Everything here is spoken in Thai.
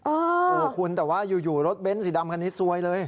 โอ้โหคุณแต่ว่าอยู่รถเบ้นสีดำคันนี้ซวยเลย